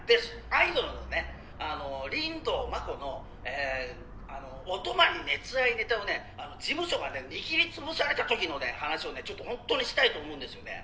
アイドルのねリンドウマコのお泊まり熱愛ネタをね事務所がね握りつぶされたときのね話をねちょっとホントにしたいと思うんですよね。